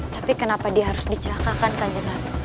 tapi kenapa dia harus dicelakakan kan jonat